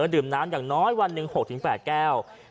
ดื่มน้ำอย่างน้อยวันหนึ่ง๖๘แก้ว